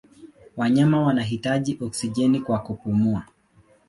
Wanyama wanahitaji oksijeni kwa kupumua.